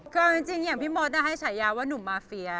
คือจริงอย่างพี่มดให้ฉายาว่าหนุ่มมาเฟีย